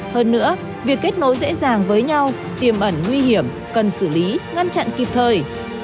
hơn nữa việc kết nối dễ dàng với nhau tiềm ẩn nguy hiểm cần xử lý ngăn chặn kịp thời